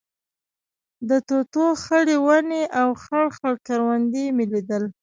د توتو خړې ونې او خړ خړ کروندې مې لیدل.